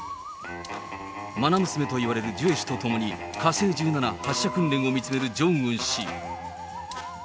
まな娘といわれるジュエ氏と共に火星１７発射訓練を見つめるジョンウン氏。